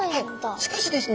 しかしですね